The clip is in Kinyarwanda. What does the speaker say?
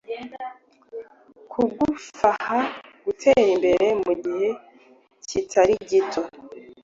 kugufaha gutera imbere mugihe kitarigito